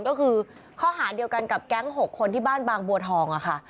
ก็คือข้อหาเดียวกันกับแก๊ง๖คนที่บ้านบางบัวทองค่ะ